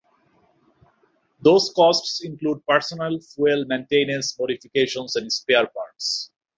Those costs include personnel, fuel, maintenance, modifications, and spare parts.